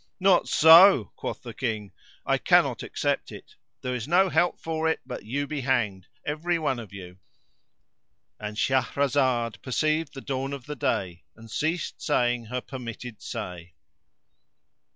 "Not so," quoth the King, "I cannot accept it: there is no help for it but that you be hanged, every one of you."—And Shahrazad perceived the dawn of day, and ceased saying her permitted say.